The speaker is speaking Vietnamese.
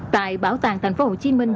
tại bảo tàng thành phố hồ chí minh